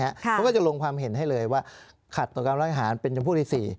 เขาก็จะลงความเห็นให้เลยว่าขัดต่อการรัฐหารเป็นจำพวกที่๔